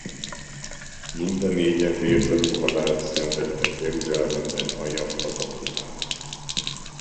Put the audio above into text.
Mind a négyen vértanúhalált szenvedtek Jeruzsálemben a Jaffa kapunál.